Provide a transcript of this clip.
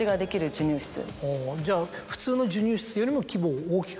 じゃあ普通の授乳室よりも規模を大きくして。